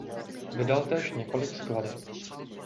Vydal též několik skladeb.